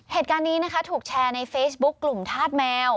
เหตุการณ์นี้นะคะถูกแชร์ในเฟซบุ๊คกลุ่มธาตุแมว